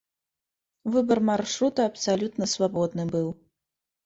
Выбар маршрута абсалютна свабодны быў.